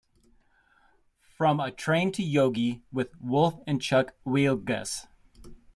"From A-Train to Yogi", with Wolff and Chuck Wielgus.